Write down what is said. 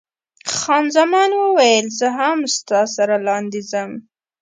خان زمان وویل، زه هم ستا سره لاندې ځم.